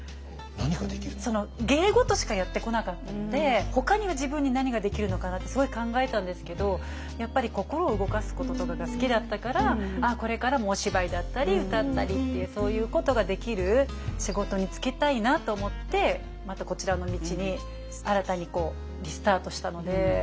芸事しかやってこなかったのでほかには自分に何ができるのかなってすごい考えたんですけどやっぱり心を動かすこととかが好きだったからこれからもお芝居だったり歌ったりっていうそういうことができる仕事に就きたいなと思ってまたこちらの道に新たにリスタートしたので。